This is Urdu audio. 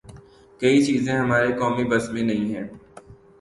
کئی چیزیں ہمارے قومی بس میں نہیں ہیں۔